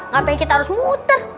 ngapain kita harus muter